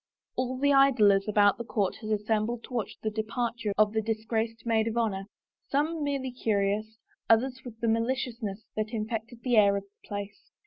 All the idlers about the court had assembled to watch the departure of the disgraced maid of honor, some merely curious, others with the maliciousness that in fected the air of the place.